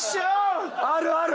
あるある！